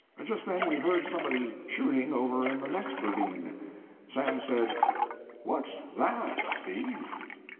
Just then we heard somebody shooting over in the next ravine. Sam said: "What's that, Steve?"